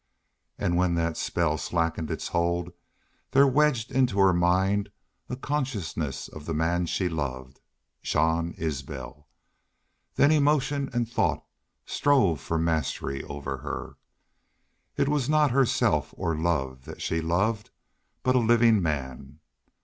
And when that spell slackened its hold there wedged into her mind a consciousness of the man she loved Jean Isbel. Then emotion and thought strove for mastery over her. It was not herself or love that she loved, but a living man.